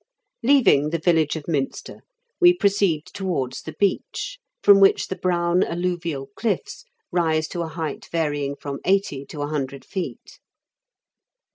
Leaving the village of Minster, we proceed towards the beach, from which the brown alluvial cliflFs rise to a height varying from eighty to a hundred feet.